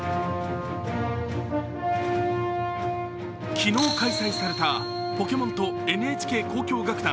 昨日開催されたポケモンとＮＨＫ交響楽団